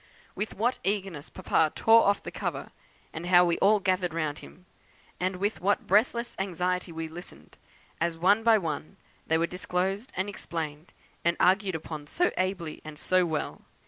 With what eagerness Papa tore off the cover, and how we all gathered round him, and with what breathless anxiety we listened, as one by one they were disclosed, and explained, and argued upon so ably, and so well!